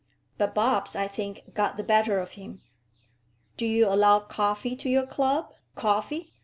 But Bobbs, I think, got the better of him. "Do you allow coffee to your club; coffee?"